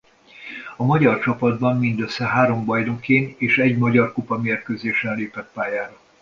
A magyar csapatban mindössze három bajnokin és egy Magyar Kupa-mérkőzésen lépett pályára.